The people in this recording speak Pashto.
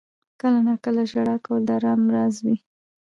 • کله ناکله ژړا کول د آرام راز وي.